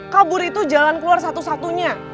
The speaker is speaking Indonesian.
kabur itu jalan keluar satu satunya